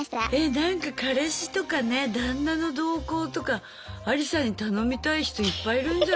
なんか彼氏とかね旦那の動向とかアリサに頼みたい人いっぱいいるんじゃない？